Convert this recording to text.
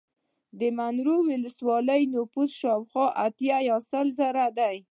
د منورې ولسوالۍ نفوس شاوخوا اتیا زره یا سل زره دی